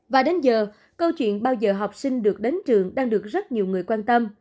và đến giờ câu chuyện bao giờ học sinh được đến trường đang được rất nhiều người quan tâm